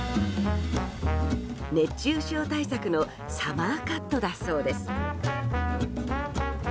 熱中症対策のサマーカットだそうです。